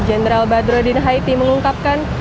jenderal badrodin haiti mengungkapkan